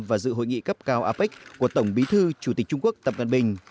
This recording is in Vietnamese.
và dự hội nghị cấp cao apec của tổng bí thư chủ tịch trung quốc tập cận bình